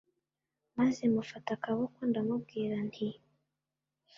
maze mufata akaboko ndamubwira nti